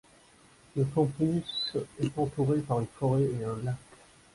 Le campus est entouré par une forêt et un lac.